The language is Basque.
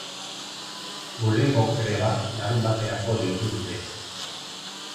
Hurrengo greba larunbaterako deitu dute.